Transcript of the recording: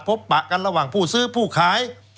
ปะกันระหว่างผู้ซื้อผู้ขาย